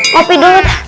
kopi dulu tak